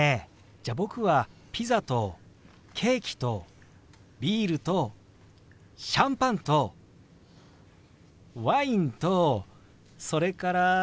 じゃあ僕はピザとケーキとビールとシャンパンとワインとそれから。